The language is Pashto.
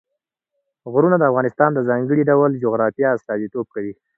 غرونه د افغانستان د ځانګړي ډول جغرافیه استازیتوب کوي.